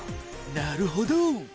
なるほど！